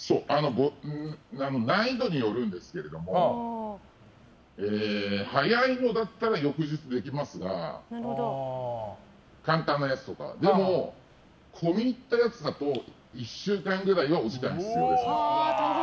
難易度によるんですけど早いのだったら翌日できますが簡単なやつとかは。込み入ったやつだと１週間くらいはお時間必要です。